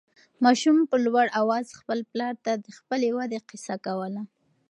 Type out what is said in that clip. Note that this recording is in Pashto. ماشوم په لوړ اواز خپل پلار ته د خپلې ودې قصه کوله.